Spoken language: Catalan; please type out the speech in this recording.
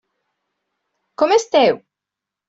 Com esteu?